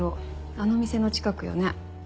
あの店の近くよね。